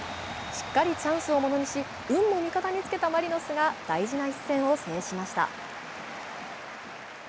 しっかりチャンスをものにし、運も味方もつけたマリノスが大事な一戦を制しました。